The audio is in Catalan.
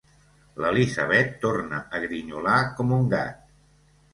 L'Elisabet torna a grinyolar com un gat.